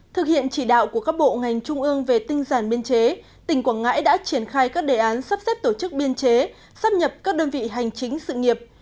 thực hiện chỉ đạo của các bộ ngành trung ương về tinh giản biên chế tỉnh quảng ngãi đã triển khai các đề án sắp xếp tổ chức biên chế sắp nhập các đơn vị hành chính sự nghiệp